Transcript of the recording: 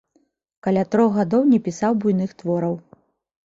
Каля трох гадоў не пісаў буйных твораў.